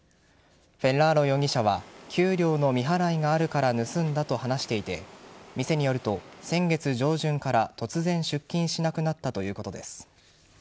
フェッラーロ容疑者は給料の未払いがあるから盗んだと話していて店によると、先月上旬から突然出勤しなくなったということです。